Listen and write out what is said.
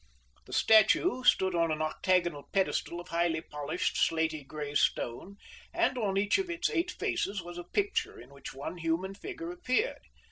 The statue stood on an octagonal pedestal of a highly polished slaty gray stone, and on each of its eight faces was a picture in which one human figure appeared.